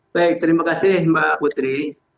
baik terima kasih mbak putri